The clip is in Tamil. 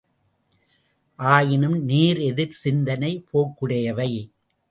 ஆயினும் நேர் எதிர் சிந்தனைப் போக்குடையவை.